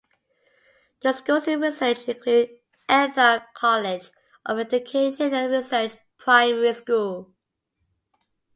The schools in Research include Eltham College of Education and Research Primary School.